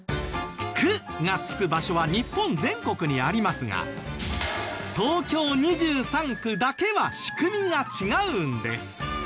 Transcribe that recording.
「区」が付く場所は日本全国にありますが東京２３区だけは仕組みが違うんです。